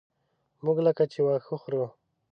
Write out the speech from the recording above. موږ لکه چې واښه خورو.